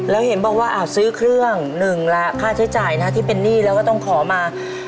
แล้วเห็นบอกว่าซื้อเครื่องหนึ่งละค่าใช้จ่ายนะที่เป็นหนี้แล้วก็ต้องขอมา